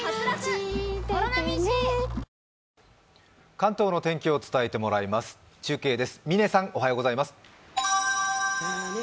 関東の天気を伝えてもらいます、中継です。